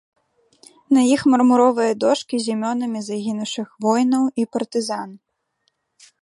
На іх мармуровыя дошкі з імёнамі загінуўшых воінаў і партызан.